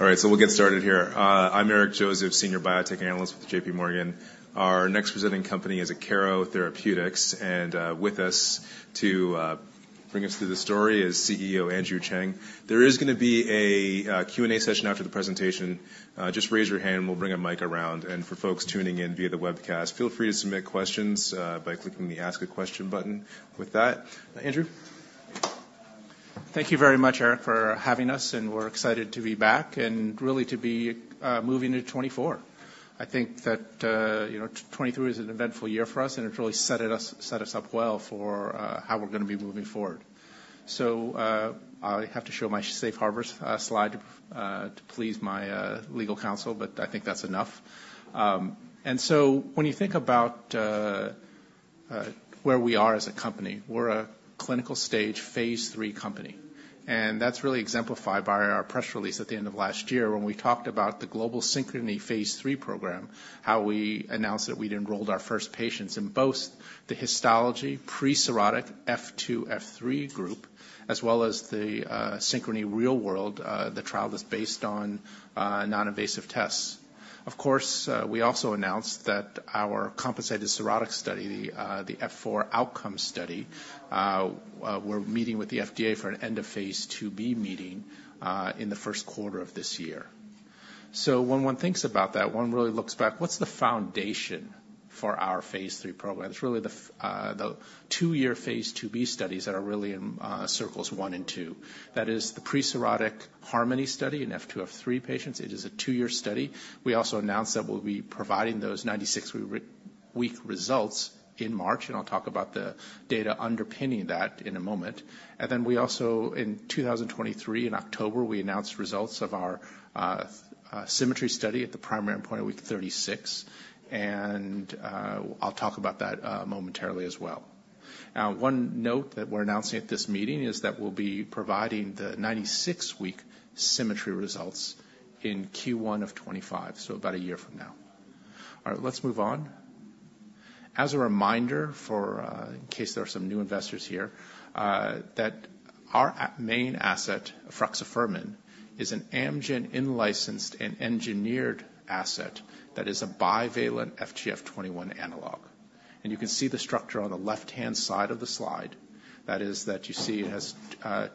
All right, so we'll get started here. I'm Eric Joseph, Senior Biotech Analyst with JPMorgan. Our next presenting company is Akero Therapeutics, and with us to bring us through the story is CEO Andrew Cheng. There is gonna be a Q&A session after the presentation. Just raise your hand and we'll bring a mic around. And for folks tuning in via the webcast, feel free to submit questions by clicking the Ask a Question button. With that, Andrew? Thank you very much, Eric, for having us, and we're excited to be back and really to be moving into 2024. I think that, you know, 2023 was an eventful year for us, and it really set us up well for how we're gonna be moving forward. So, I have to show my safe harbor slide to please my legal counsel, but I think that's enough. And so when you think about where we are as a company, we're a clinical-stage Phase 3 company, and that's really exemplified by our press release at the end of last year when we talked about the global SYNCHRONY Phase 3 program, how we announced that we'd enrolled our first patients in both the SYNCHRONY Histology pre-cirrhotic F2, F3 group, as well as the SYNCHRONY Real-World trial that's based on non-invasive tests. Of course, we also announced that our compensated cirrhotic study, the F4 Outcomes study, we're meeting with the FDA for an end of Phase 2b meeting in the first quarter of this year. So when one thinks about that, one really looks back, what's the foundation for our Phase 3 program? It's really the 2-year Phase 2b studies that are really in circles one and two. That is the pre-cirrhotic HARMONY study in F2, F3 patients. It is a 2-year study. We also announced that we'll be providing those 96-week results in March, and I'll talk about the data underpinning that in a moment. And then we also, in 2023, in October, we announced results of our SYMMETRY study at the primary endpoint at week 36, and I'll talk about that momentarily as well. Now, one note that we're announcing at this meeting is that we'll be providing the 96-week SYMMETRY results in Q1 of 2025, so about a year from now. All right, let's move on. As a reminder for, in case there are some new investors here, that our main asset, efruxifermin, is an Amgen in-licensed and engineered asset that is a bivalent FGF21 analog. And you can see the structure on the left-hand side of the slide. That is, that you see it has,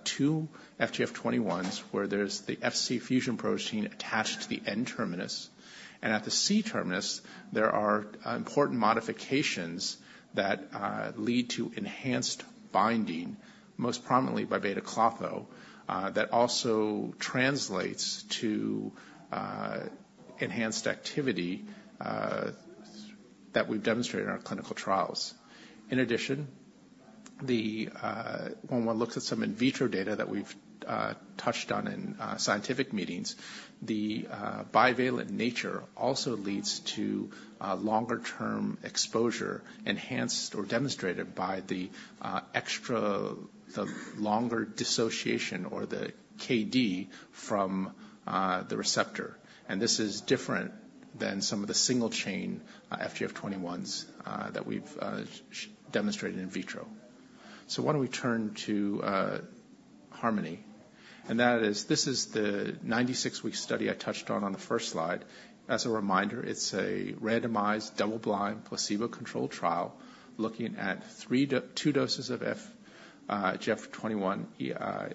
two FGF21s, where there's the Fc fusion protein attached to the N-terminus. And at the C-terminus, there are, important modifications that, lead to enhanced binding, most prominently by beta-klotho, that also translates to, enhanced activity, that we've demonstrated in our clinical trials. In addition, the, When one looks at some in vitro data that we've touched on in scientific meetings, the bivalent nature also leads to longer term exposure, enhanced or demonstrated by the longer dissociation or the KD from the receptor. And this is different than some of the single-chain FGF21s that we've demonstrated in vitro. So why don't we turn to HARMONY? And that is, this is the 96-week study I touched on on the first slide. As a reminder, it's a randomized, double-blind, placebo-controlled trial looking at two doses of FGF21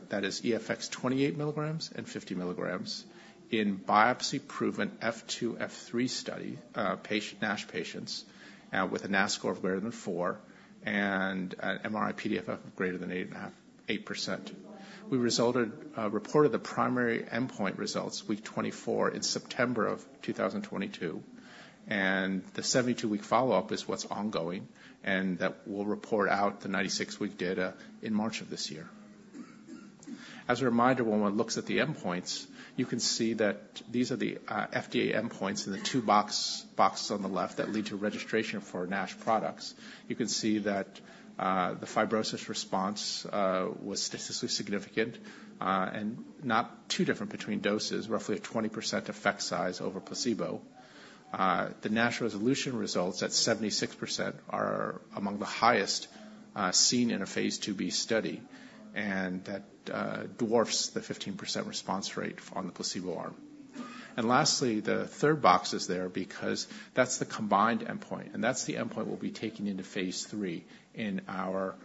that is EFX 28 mg and 50 mg, in biopsy-proven F2-F3 NASH patients with a NAS score of greater than 4 and an MRI-PDFF of greater than 8%. We reported the primary endpoint results week 24 in September 2022, and the 72-week follow-up is what's ongoing, and that we'll report out the 96-week data in March of this year. As a reminder, when one looks at the endpoints, you can see that these are the FDA endpoints and the two boxes on the left that lead to registration for NASH products. You can see that the fibrosis response was statistically significant and not too different between doses, roughly a 20% effect size over placebo. The NASH resolution results at 76% are among the highest seen in a Phase 2b study, and that dwarfs the 15% response rate on the placebo arm. And lastly, the third box is there because that's the combined endpoint, and that's the endpoint we'll be taking into Phase 3 in our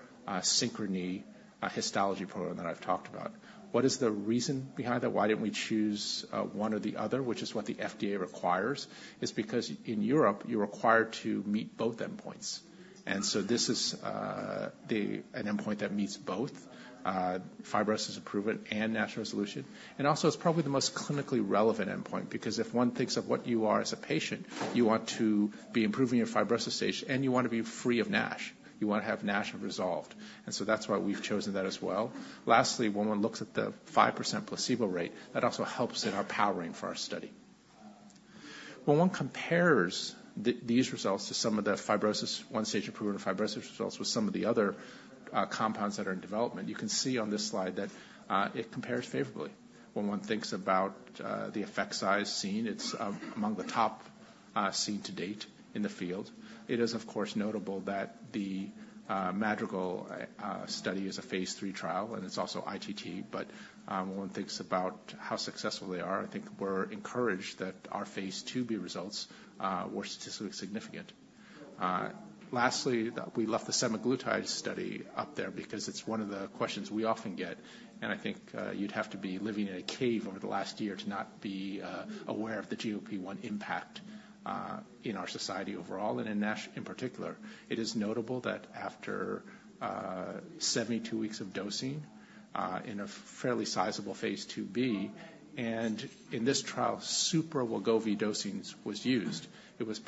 SYNCHRONY Histology program that I've talked about. What is the reason behind that? Why didn't we choose one or the other, which is what the FDA requires? It's because in Europe, you're required to meet both endpoints, and so this is an endpoint that meets both, fibrosis improvement and NASH resolution. And also, it's probably the most clinically relevant endpoint, because if one thinks of what you are as a patient, you want to be improving your fibrosis stage and you want to be free of NASH. You want to have NASH resolved, and so that's why we've chosen that as well. Lastly, when one looks at the 5% placebo rate, that also helps in our powering for our study. When one compares these results to some of the fibrosis, one stage improvement in fibrosis results with some of the other compounds that are in development, you can see on this slide that it compares favorably. When one thinks about the effect size seen, it's among the top seen to date in the field. It is, of course, notable that the Madrigal study is a Phase 3 trial, and it's also ITT. But when one thinks about how successful they are, I think we're encouraged that our phase 2b results were statistically significant. Lastly, we left the semaglutide study up there because it's one of the questions we often get, and I think you'd have to be living in a cave over the last year to not be aware of the GLP-1 impact in our society overall and in NASH in particular. It is notable that after 72 weeks of dosing in a fairly sizable Phase 2b, and in this trial, super Wegovy dosings was used. It was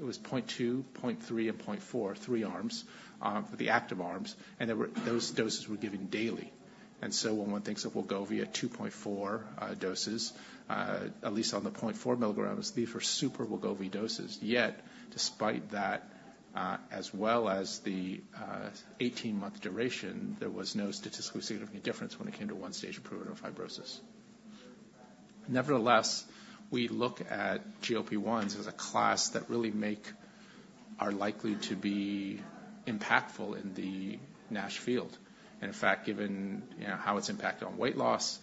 0.2, 0.3, and 0.4, three arms for the active arms, and those doses were given daily. And so when one thinks of Wegovy at 2.4 doses, at least on the 0.4 mg, these were super Wegovy doses. Yet despite that, as well as the eighteen-month duration, there was no statistically significant difference when it came to one-stage improvement of fibrosis. Nevertheless, we look at GLP-1s as a class that really make are likely to be impactful in the NASH field. And in fact, given, you know, how it's impacted on weight loss,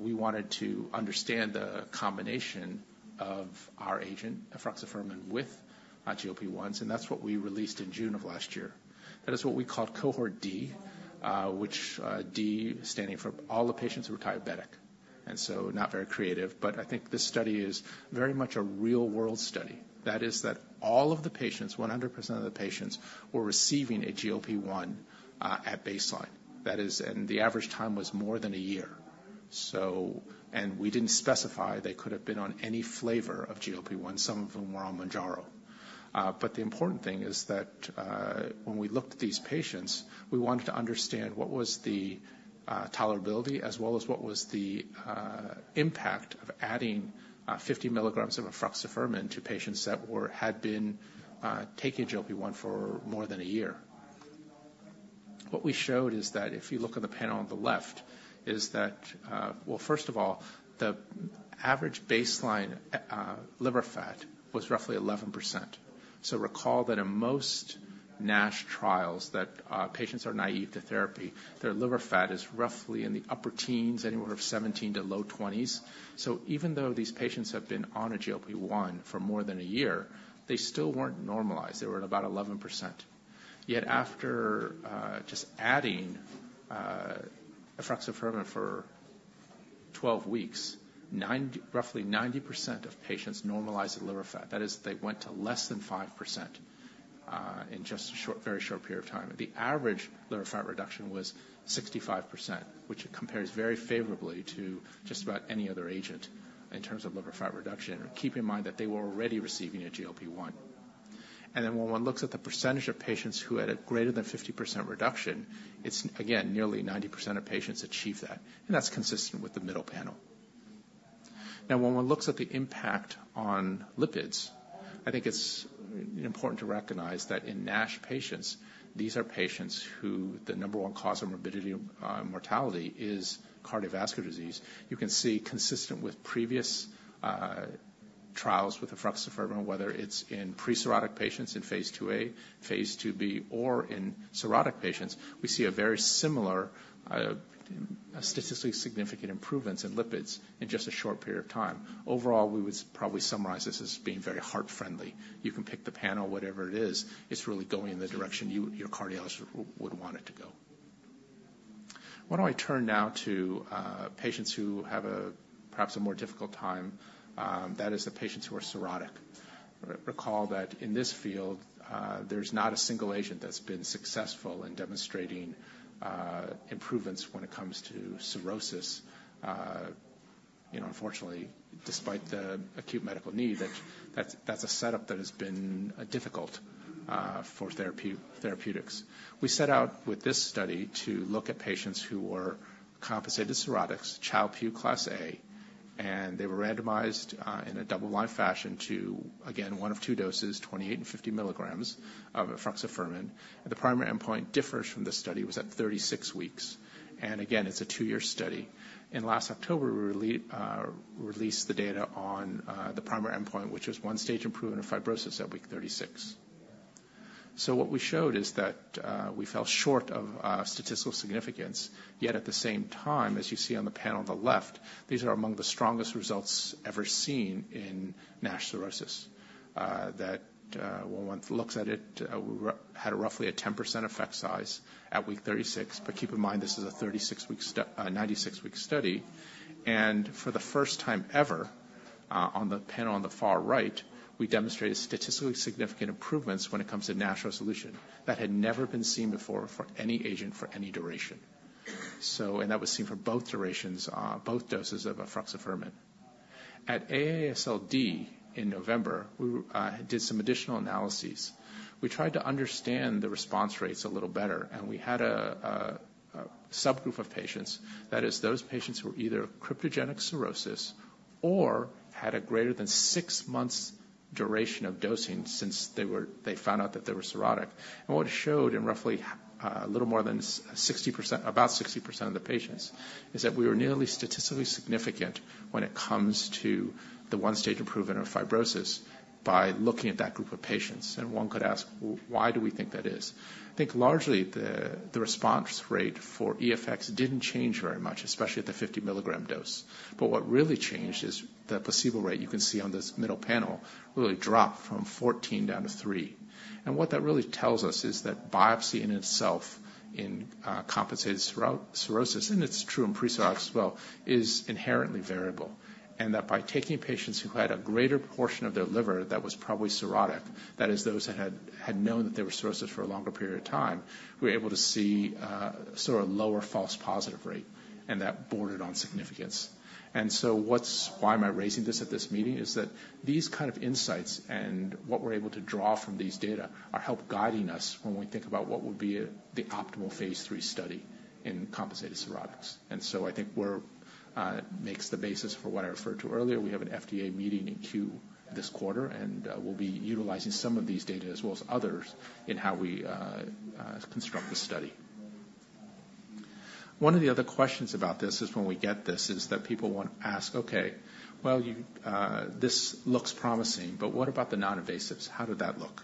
we wanted to understand the combination of our agent, efruxifermin, with GLP-1s, and that's what we released in June of last year. That is what we called Cohort D, which, D standing for all the patients who were diabetic, and so not very creative. But I think this study is very much a real-world study. That is that all of the patients, 100% of the patients, were receiving a GLP-1 at baseline. That is, and the average time was more than a year. And we didn't specify they could have been on any flavor of GLP-1. Some of them were on Mounjaro. But the important thing is that, when we looked at these patients, we wanted to understand what was the tolerability as well as what was the impact of adding 50 mg of efruxifermin to patients that were had been taking GLP-1 for more than a year. What we showed is that if you look at the panel on the left, is that... Well, first of all, the average baseline liver fat was roughly 11%. So recall that in most NASH trials that patients are naive to therapy, their liver fat is roughly in the upper teens, anywhere from 17 to low twenties. So even though these patients have been on a GLP-1 for more than a year, they still weren't normalized. They were at about 11%. Yet after just adding efruxifermin for 12 weeks, roughly 90% of patients normalized their liver fat. That is, they went to less than 5%, in just a short, very short period of time. The average liver fat reduction was 65%, which compares very favorably to just about any other agent in terms of liver fat reduction. Keep in mind that they were already receiving a GLP-1. And then when one looks at the percentage of patients who had a greater than 50% reduction, it's again, nearly 90% of patients achieve that, and that's consistent with the middle panel. Now, when one looks at the impact on lipids, I think it's important to recognize that in NASH patients, these are patients who the number one cause of morbidity and mortality is cardiovascular disease. You can see, consistent with previous trials with efruxifermin, whether it's in pre-cirrhotic patients in Phase 2a, Phase 2b, or in cirrhotic patients, we see a very similar statistically significant improvements in lipids in just a short period of time. Overall, we would probably summarize this as being very heart-friendly. You can pick the panel, whatever it is, it's really going in the direction you, your cardiologist would want it to go. Why don't I turn now to patients who have perhaps a more difficult time? That is the patients who are cirrhotic. Recall that in this field, there's not a single agent that's been successful in demonstrating improvements when it comes to cirrhosis. You know, unfortunately, despite the acute medical need, that's a setup that has been difficult for therapeutics. We set out with this study to look at patients who were compensated cirrhotics, Child-Pugh Class A, and they were randomized in a double-blind fashion to, again, one of two doses, 28 and 50 mg of efruxifermin. The primary endpoint differs from this study was at 36 weeks. Again, it's a 2-year study. In last October, we released the data on the primary endpoint, which was one stage improvement of fibrosis at week 36. So what we showed is that we fell short of statistical significance. Yet at the same time, as you see on the panel on the left, these are among the strongest results ever seen in NASH cirrhosis. That when one looks at it, we had roughly a 10% effect size at week 36, but keep in mind this is a 96-week study. And for the first time ever, on the panel on the far right, we demonstrated statistically significant improvements when it comes to NASH resolution. That had never been seen before for any agent, for any duration. So, and that was seen for both durations, both doses of efruxifermin. At AASLD in November, we did some additional analyses. We tried to understand the response rates a little better, and we had a subgroup of patients. That is, those patients who were either cryptogenic cirrhosis or had a greater than six months duration of dosing since they were, they found out that they were cirrhotic. And what it showed in roughly, a little more than 60%, about 60% of the patients, is that we were nearly statistically significant when it comes to the one-stage improvement of fibrosis by looking at that group of patients. And one could ask, why do we think that is? I think largely the response rate for EFX didn't change very much, especially at the 50 mg dose. But what really changed is the placebo rate, you can see on this middle panel, really dropped from 14 down to 3. And what that really tells us is that biopsy in itself, in compensated cirrhosis, and it's true in pre-cirrhotic as well, is inherently variable. That by taking patients who had a greater portion of their liver that was probably cirrhotic, that is, those that had, had known that they were cirrhotic for a longer period of time, we're able to see, sort of lower false positive rate, and that bordered on significance. So why am I raising this at this meeting? Is that these kind of insights and what we're able to draw from these data are help guiding us when we think about what would be, the optimal Phase 3 study in compensated cirrhotics. So I think we're, makes the basis for what I referred to earlier. We have an FDA meeting in Q this quarter, and, we'll be utilizing some of these data as well as others in how we, construct the study. One of the other questions about this is when we get this, is that people want to ask: "Okay, well, you, this looks promising, but what about the non-invasives? How did that look?"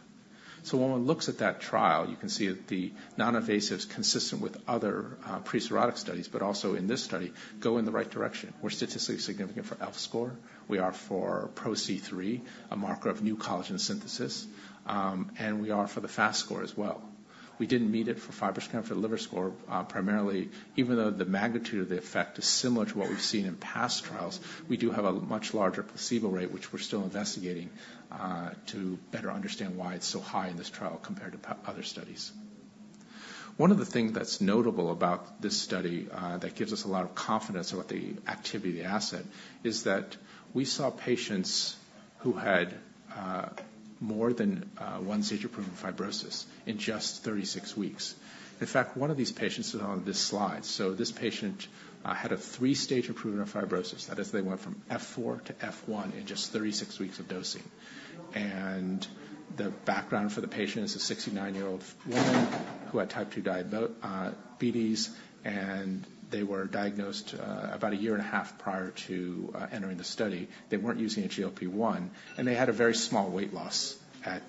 So when one looks at that trial, you can see that the non-invasives, consistent with other, pre-cirrhotic studies, but also in this study, go in the right direction. We're statistically significant for ELF score. We are for PRO-C3, a marker of new collagen synthesis, and we are for the FAST score as well. We didn't meet it for FibroScan for the Liver Score, primarily even though the magnitude of the effect is similar to what we've seen in past trials, we do have a much larger placebo rate, which we're still investigating, to better understand why it's so high in this trial compared to other studies. One of the things that's notable about this study, that gives us a lot of confidence about the activity asset, is that we saw patients who had more than one stage improvement of fibrosis in just 36 weeks. In fact, one of these patients is on this slide. So this patient had a three-stage improvement of fibrosis. That is, they went from F4 to F1 in just 36 weeks of dosing. And the background for the patient is a 69-year-old woman who had Type 2 diabetes, and they were diagnosed, about a year and a half prior to, entering the study. They weren't using a GLP-1, and they had a very small weight loss at,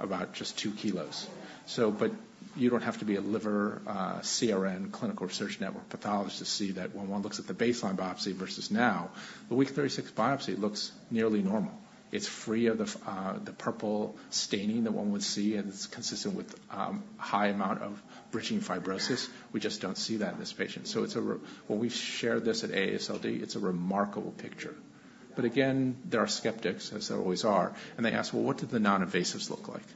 about just two kilos. So but you don't have to be a liver CRN, Clinical Research Network, pathologist to see that when one looks at the baseline biopsy versus now, the week 36 biopsy looks nearly normal. It's free of the purple staining that one would see, and it's consistent with high amount of bridging fibrosis. We just don't see that in this patient. So it's when we shared this at AASLD, it's a remarkable picture. But again, there are skeptics, as there always are, and they ask: "Well, what did the non-invasives look like?"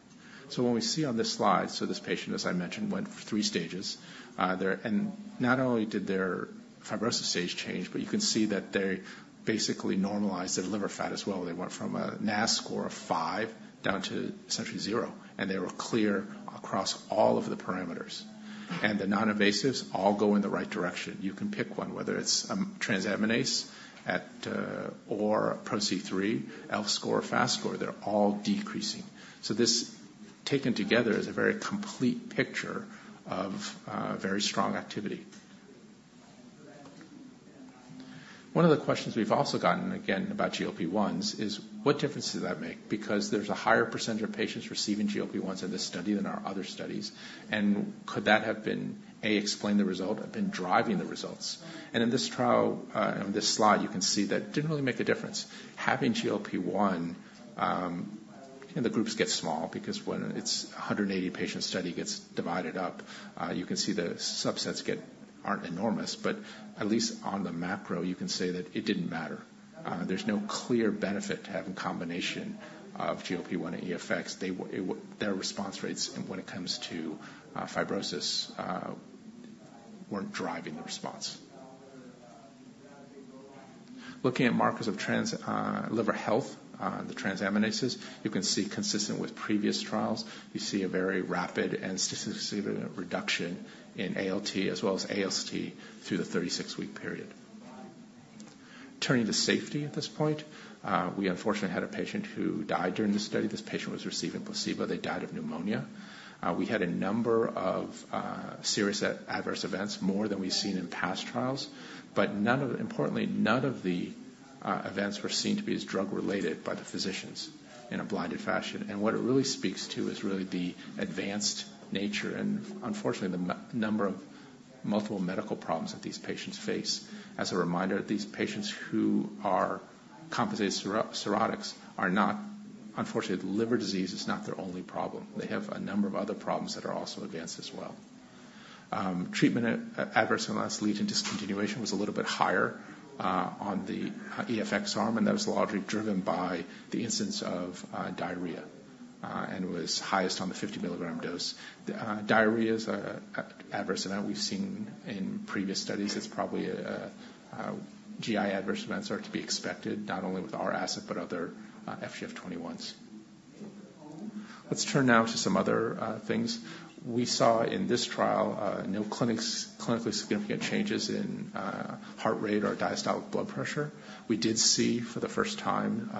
So when we see on this slide, so this patient, as I mentioned, went three stages. And not only did their fibrosis stage change, but you can see that they basically normalized their liver fat as well. They went from a NAS score of 5 down to essentially 0, and they were clear across all of the parameters. The non-invasives all go in the right direction. You can pick one, whether it's transaminase or PRO-C3, ELF score, FAST score, they're all decreasing. This, taken together, is a very complete picture of very strong activity. One of the questions we've also gotten, again, about GLP-1s is: What difference does that make? Because there's a higher percentage of patients receiving GLP-1s in this study than our other studies, and could that have been, A, explained the result or been driving the results? And in this trial, in this slide, you can see that didn't really make a difference. Having GLP-1, and the groups get small, because when it's a 180-patient study gets divided up, you can see the subsets aren't enormous. But at least on the macro, you can say that it didn't matter. There's no clear benefit to having combination of GLP-1 and EFX. Their response rates and when it comes to fibrosis weren't driving the response. Looking at markers of liver health, the transaminases, you can see, consistent with previous trials, you see a very rapid and statistically significant reduction in ALT as well as AST through the 36-week period. Turning to safety at this point, we unfortunately had a patient who died during the study. This patient was receiving placebo. They died of pneumonia. We had a number of serious adverse events, more than we've seen in past trials, but none of them. Importantly, none of the events were seen to be or drug-related by the physicians in a blinded fashion. What it really speaks to is really the advanced nature and unfortunately, the number of multiple medical problems that these patients face. As a reminder, these patients who are compensated cirrhotics are not. Unfortunately, the liver disease is not their only problem. They have a number of other problems that are also advanced as well. Treatment adverse events leading to discontinuation was a little bit higher on the EFX arm, and that was largely driven by the incidence of diarrhea and was highest on the 50 mg dose. Diarrhea is a adverse event we've seen in previous studies. It's probably a GI adverse events are to be expected, not only with our asset, but other FGF 21s. Let's turn now to some other things. We saw in this trial no clinically significant changes in heart rate or diastolic blood pressure. We did see, for the first time,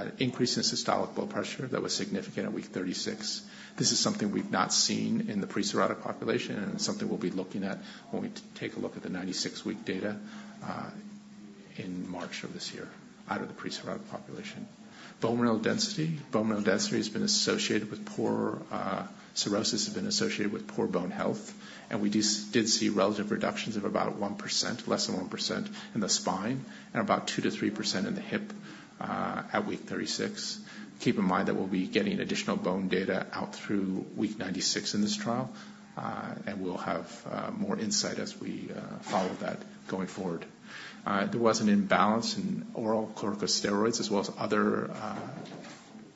an increase in systolic blood pressure that was significant at week 36. This is something we've not seen in the pre-cirrhotic population and something we'll be looking at when we take a look at the 96-week data in March of this year, out of the pre-cirrhotic population. Bone mineral density. Bone mineral density has been associated with poor... Cirrhosis has been associated with poor bone health, and we did see relative reductions of about 1%, less than 1% in the spine and about 2%-3% in the hip at week 36. Keep in mind that we'll be getting additional bone data out through week 96 in this trial, and we'll have more insight as we follow that going forward. There was an imbalance in oral corticosteroids as well as other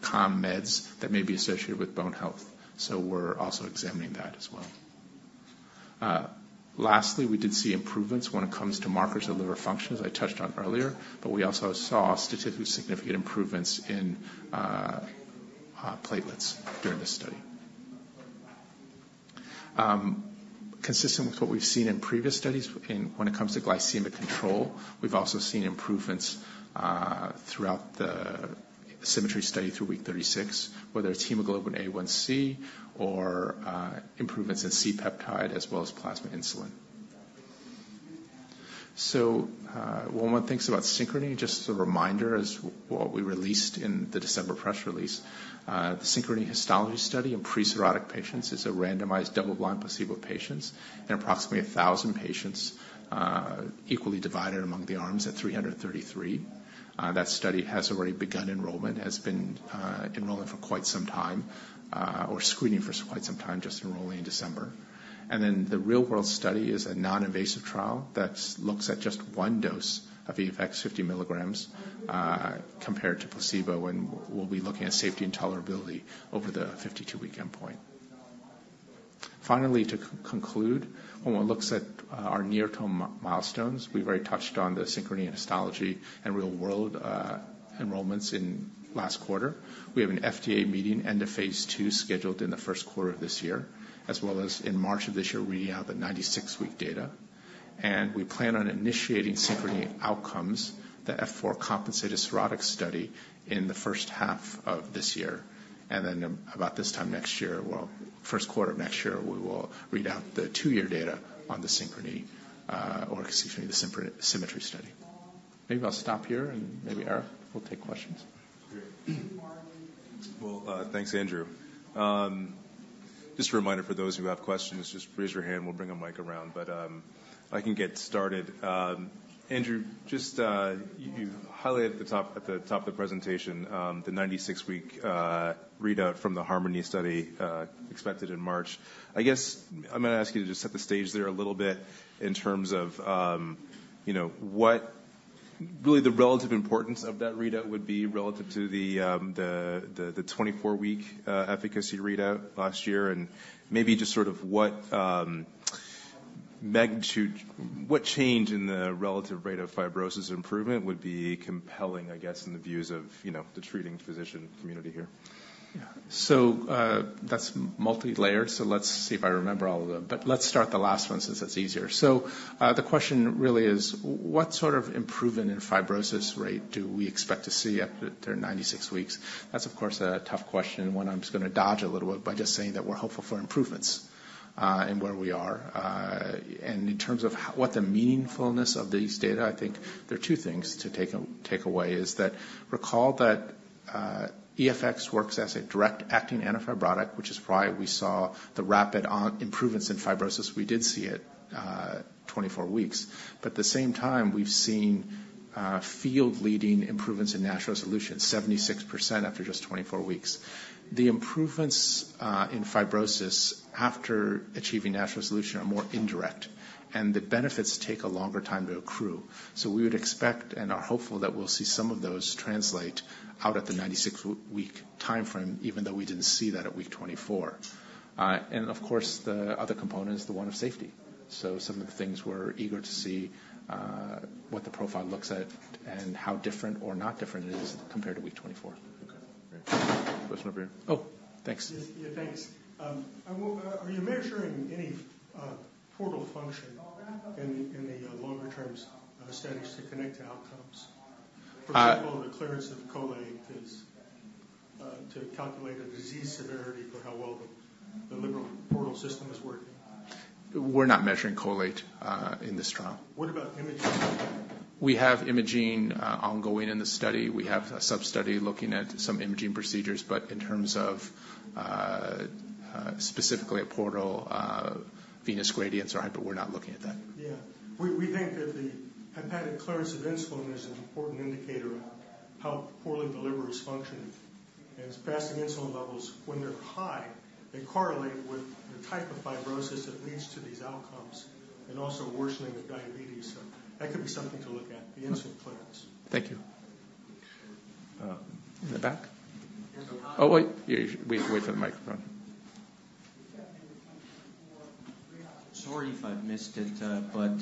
con-meds that may be associated with bone health, so we're also examining that as well. Lastly, we did see improvements when it comes to markers of liver functions, as I touched on earlier, but we also saw statistically significant improvements in platelets during this study. Consistent with what we've seen in previous studies in, when it comes to glycemic control, we've also seen improvements throughout the SYMMETRY study through week 36, whether it's hemoglobin A1c or improvements in C-peptide as well as plasma insulin. So, when one thinks about SYNCHRONY, just as a reminder, as what we released in the December press release, the SYNCHRONY Histology study in pre-cirrhotic patients is a randomized, double-blind placebo patients and approximately 1,000 patients, equally divided among the arms at 333. That study has already begun enrollment, has been enrolling for quite some time, or screening for quite some time, just enrolling in December. And then, the real-world study is a non-invasive trial that looks at just one dose of EFX 50 mg, compared to placebo, and we'll be looking at safety and tolerability over the 52-week endpoint. Finally, to conclude, when one looks at our near-term milestones, we've already touched on the SYNCHRONY Histology and Real-World enrollments in last quarter. We have an FDA meeting and a phase 2 scheduled in the first quarter of this year, as well as in March of this year, reading out the 96-week data. And we plan on initiating SYNCHRONY Outcomes, the F4 compensated cirrhotic study, in the first half of this year. And then, about this time next year, well, first quarter of next year, we will read out the two-year data on the SYNCHRONY, or excuse me, the SYMMETRY study. Maybe I'll stop here, and maybe Eric will take questions. Great. Well, thanks, Andrew. Just a reminder for those who have questions, just raise your hand, we'll bring a mic around. But, I can get started. Andrew, just, you highlighted at the top of the presentation, the 96-week readout from the HARMONY study, expected in March. I guess I'm gonna ask you to just set the stage there a little bit in terms of, you know, what really the relative importance of that readout would be relative to the 24-week efficacy readout last year and maybe just sort of what magnitude, what change in the relative rate of fibrosis improvement would be compelling, I guess, in the views of, you know, the treating physician community here? Yeah. So, that's multilayered, so let's see if I remember all of them. But let's start the last one since that's easier. So, the question really is: What sort of improvement in fibrosis rate do we expect to see after 96 weeks? That's, of course, a tough question, and one I'm just gonna dodge a little bit by just saying that we're hopeful for improvements in where we are. And in terms of what the meaningfulness of these data, I think there are two things to take away, is that recall that EFX works as a direct-acting antifibrotic, which is why we saw the rapid improvements in fibrosis. We did see it 24 weeks. But at the same time, we've seen field-leading improvements in NASH resolution, 76% after just 24 weeks. The improvements in fibrosis after achieving NASH resolution are more indirect, and the benefits take a longer time to accrue. So we would expect, and are hopeful, that we'll see some of those translate out at the 96-week timeframe, even though we didn't see that at week 24. And of course, the other component is the one of safety. So some of the things we're eager to see, what the profile looks at and how different or not different it is compared to week 24. Okay, great. Question over here. Oh, thanks. Yes. Yeah, thanks. Well, are you measuring any portal function in the longer-term studies to connect to outcomes? Uh- For example, the clearance of cholate is to calculate a disease severity for how well the liver portal system is working. We're not measuring cholate in this trial. What about imaging? We have imaging ongoing in the study. We have a sub-study looking at some imaging procedures, but in terms of specifically a portal venous gradients or hyper, we're not looking at that. Yeah. We think that the hepatic clearance of insulin is an important indicator of how poorly the liver is functioning. And fasting insulin levels, when they're high, they correlate with the type of fibrosis that leads to these outcomes and also worsening of diabetes. So that could be something to look at, the insulin clearance. Thank you. In the back? Oh, wait. Yeah, wait, wait for the microphone. Sorry if I've missed it, but,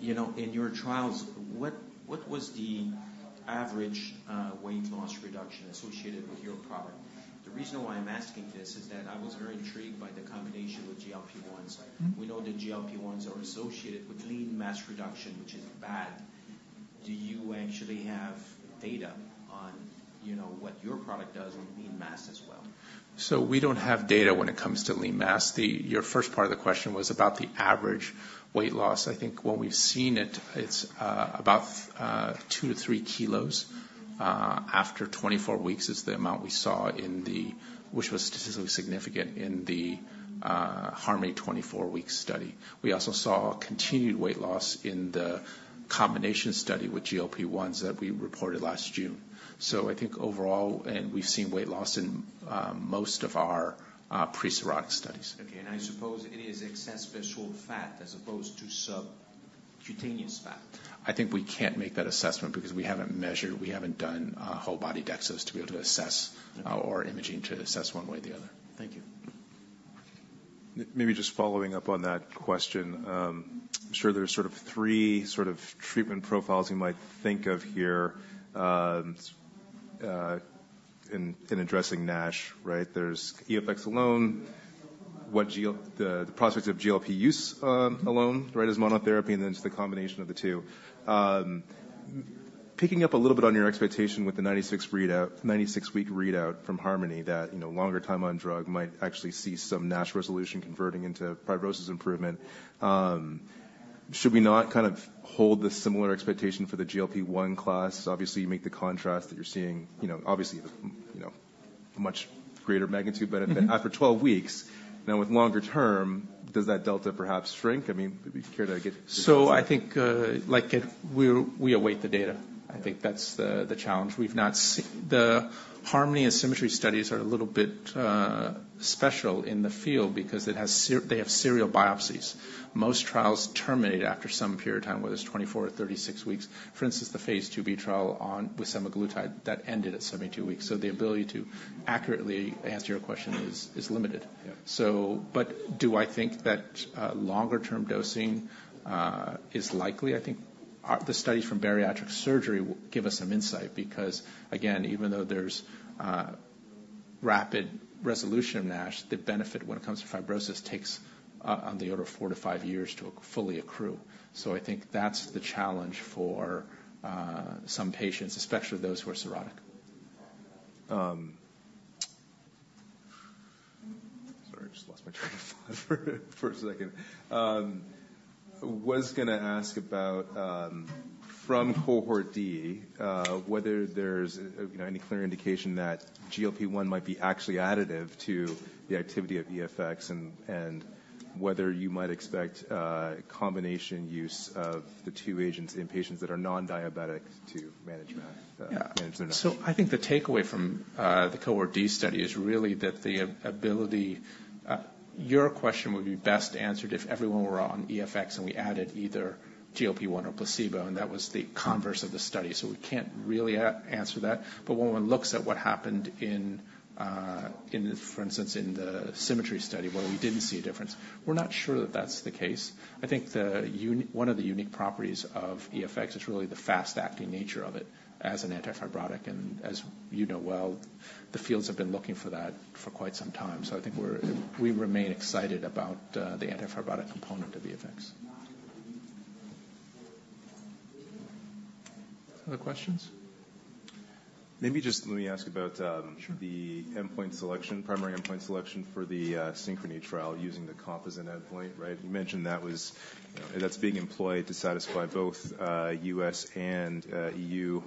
you know, in your trials, what was the average weight loss reduction associated with your product? The reason why I'm asking this is that I was very intrigued by the combination with GLP-1s. Mm-hmm. We know the GLP-1s are associated with lean mass reduction, which is bad. Do you actually have data on, you know, what your product does on lean mass as well? So we don't have data when it comes to lean mass. Your first part of the question was about the average weight loss. I think when we've seen it, it's about 2kg to 3 kg after 24 weeks, is the amount we saw in the HARMONY 24-week study, which was statistically significant. We also saw continued weight loss in the combination study with GLP-1s that we reported last June. So I think overall, and we've seen weight loss in most of our pre-cirrhotic studies. Okay, and I suppose it is excess visceral fat as opposed to subcutaneous fat. I think we can't make that assessment because we haven't measured. We haven't done a whole body DEXAs to be able to assess Okay or imaging to assess one way or the other. Thank you. Maybe just following up on that question. I'm sure there's sort of three sort of treatment profiles you might think of here, in addressing NASH, right? There's EFX alone, what the prospects of GLP use, alone, right, as monotherapy, and then just the combination of the two. Picking up a little bit on your expectation with the 96-week readout from HARMONY, that, you know, longer time on drug might actually see some NASH resolution converting into fibrosis improvement. Should we not kind of hold the similar expectation for the GLP-1 class? Obviously, you make the contrast that you're seeing, you know, obviously, you know, much greater magnitude Mm-hmm but after 12 weeks, now, with longer term, does that delta perhaps shrink? I mean, would you care to get So I think, like, we, we await the data. Yeah. I think that's the challenge. We've not seen the HARMONY and SYMMETRY studies are a little bit special in the field because they have serial biopsies. Most trials terminate after some period of time, whether it's 24 or 36 weeks. For instance, the Phase 2b trial on, with semaglutide, that ended at 72 weeks. So the ability to accurately answer your question is limited. Yeah. So but do I think that longer term dosing is likely? I think the studies from bariatric surgery will give us some insight because, again, even though there's rapid resolution of NASH, the benefit when it comes to fibrosis takes on the order of four to five years to fully accrue. So I think that's the challenge for some patients, especially those who are cirrhotic. Sorry, I just lost my train of thought for a second. I was gonna ask about from Cohort D whether there's you know any clear indication that GLP-1 might be actually additive to the activity of EFX and whether you might expect combination use of the two agents in patients that are non-diabetic to manage their NASH? So I think the takeaway from the Cohort D study is really that the ability. Your question would be best answered if everyone were on EFX, and we added either GLP-1 or placebo, and that was the converse of the study. So we can't really answer that. But when one looks at what happened in, for instance, in the SYMMETRY study, where we didn't see a difference, we're not sure that that's the case. I think one of the unique properties of EFX is really the fast-acting nature of it as an antifibrotic. And as you know well, the fields have been looking for that for quite some time. So I think we remain excited about the antifibrotic component of the EFX. Other questions? Maybe just let me ask about, Sure. the endpoint selection, primary endpoint selection for the SYNCHRONY trial using the composite endpoint, right? You mentioned that was, that's being employed to satisfy both U.S. and EU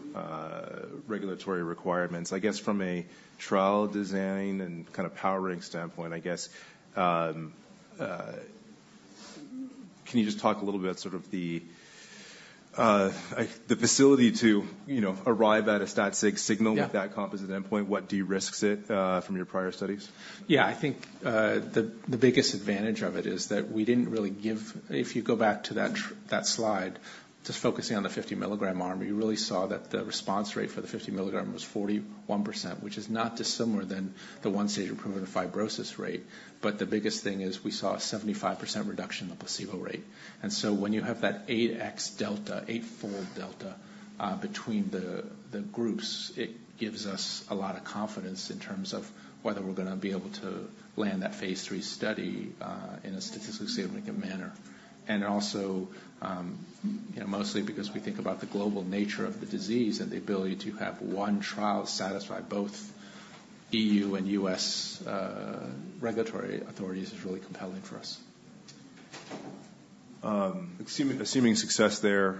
regulatory requirements. I guess from a trial design and kind of powering standpoint, I guess, can you just talk a little bit sort of the the facility to, you know, arrive at a stat sig signal Yeah. with that composite endpoint, what de-risks it from your prior studies? Yeah. I think the biggest advantage of it is that we didn't really give if you go back to that slide, just focusing on the 50-mg arm, you really saw that the response rate for the 50 mg was 41%, which is not dissimilar than the one-stage improvement of fibrosis rate. But the biggest thing is we saw a 75% reduction in the placebo rate. And so when you have that 8x delta, eightfold delta, between the groups, it gives us a lot of confidence in terms of whether we're gonna be able to land that phase III study in a statistically significant manner. And also, you know, mostly because we think about the global nature of the disease and the ability to have one trial satisfy both EU and U.S. regulatory authorities, is really compelling for us. Assuming success there,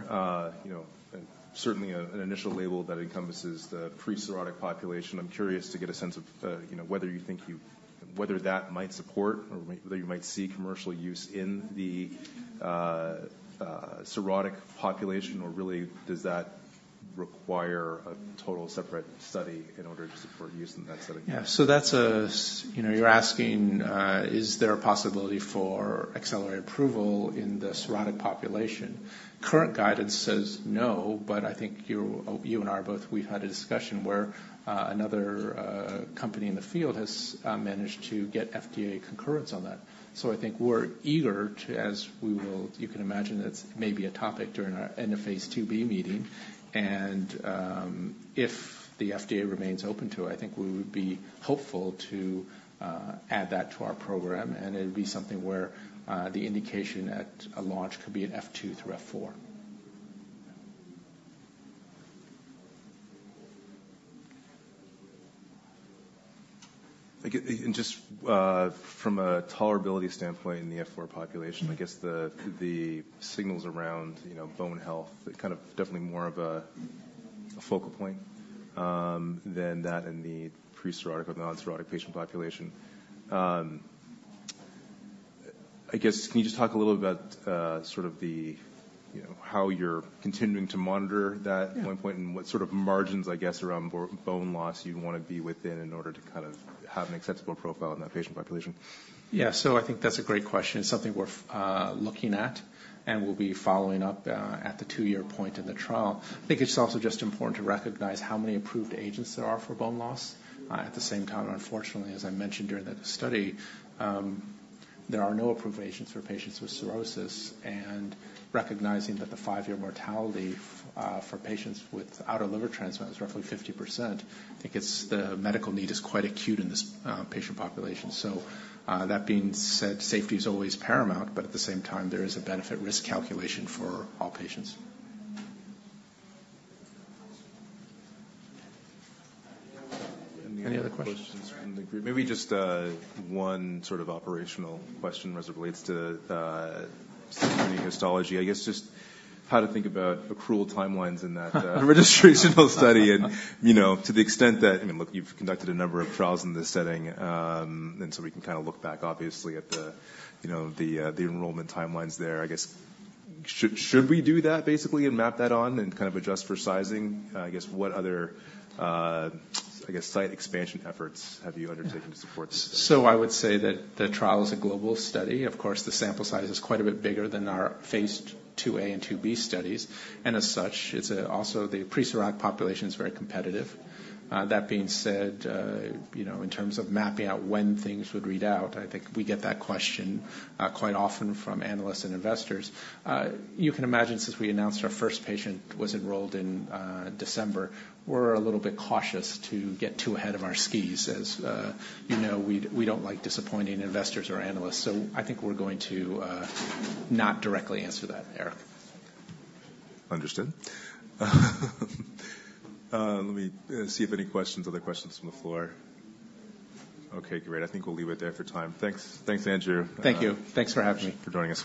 you know, and certainly an initial label that encompasses the pre-cirrhotic population, I'm curious to get a sense of, you know, whether you might see commercial use in the cirrhotic population or really does that require a total separate study in order to support use in that setting? Yeah, so that's, you know, you're asking, is there a possibility for accelerated approval in the cirrhotic population? Current guidance says no, but I think you, you and I are both we've had a discussion where, another company in the field has managed to get FDA concurrence on that. So I think we're eager to, as we will, you can imagine that's maybe a topic during our End of Phase 2b meeting, and, if the FDA remains open to it, I think we would be hopeful to add that to our program, and it would be something where, the indication at a launch could be at F2 through F4. Like, and just, from a tolerability standpoint in the F4 population. Mm-hmm. I guess the signals around, you know, bone health, they're kind of definitely more of a focal point than that in the pre-cirrhotic or non-cirrhotic patient population. I guess, can you just talk a little about sort of the, you know, how you're continuing to monitor that? Yeah. and what sort of margins, I guess, around bone loss you'd want to be within in order to kind of have an acceptable profile in that patient population? Yeah. So I think that's a great question. It's something we're looking at, and we'll be following up at the two-year point in the trial. I think it's also just important to recognize how many approved agents there are for bone loss. Mm-hmm. At the same time, unfortunately, as I mentioned during that study, there are no approved agents for patients with cirrhosis, and recognizing that the five-year mortality for patients without liver transplant is roughly 50%, I think the medical need is quite acute in this patient population. So, that being said, safety is always paramount, but at the same time, there is a benefit-risk calculation for all patients. Any other questions? Questions from the group. Maybe just one sort of operational question as it relates to histology. I guess just how to think about accrual timelines in that registrational study and, you know, to the extent that, I mean, look, you've conducted a number of trials in this setting, and so we can kind of look back obviously at the, you know, the enrollment timelines there. I guess, should we do that basically and map that on and kind of adjust for sizing? I guess what other site expansion efforts have you undertaken to support this? So I would say that the trial is a global study. Of course, the sample size is quite a bit bigger than our Phase 2a and 2b studies, and as such, it's also the pre-cirrhotic population is very competitive. That being said, you know, in terms of mapping out when things would read out, I think we get that question quite often from analysts and investors. You can imagine since we announced our first patient was enrolled in December, we're a little bit cautious to get too ahead of our skis. As you know, we, we don't like disappointing investors or analysts, so I think we're going to not directly answer that, Eric. Understood. Let me see if any questions, other questions from the floor. Okay, great. I think we'll leave it there for time. Thanks. Thanks, Andrew. Thank you. Thanks for having me. Thanks for joining us.